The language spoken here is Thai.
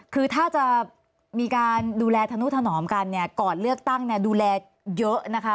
คือถ้าจะมีการดูแลทนุทนอมกันกรอดเลือกตั้งดูแลเยอะนะคะ